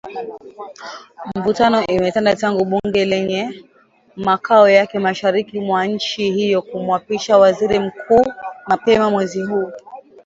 Mivutano imetanda tangu bunge lenye makao yake mashariki mwa nchi hiyo kumwapisha Waziri Mkuu mapema mwezi huu